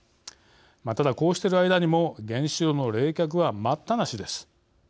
ただ、こうしている間にも原子炉の冷却は待ったなしです。